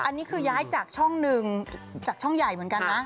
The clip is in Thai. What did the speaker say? อันนี้คือย้ายจากช่องหนึ่งจากช่องใหญ่เหมือนกันนะ